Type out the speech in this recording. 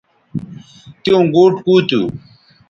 تیوں گوٹ کُو تھو